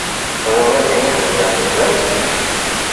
Tɣileḍ akken i xeddmen medden?